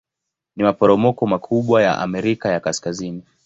Ni maporomoko makubwa ya Amerika ya Kaskazini.